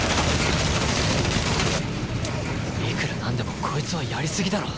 いくらなんでもこいつはやりすぎだろう。